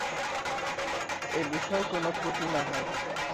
এ বিষয়ে কোন ত্রুটি না হয়।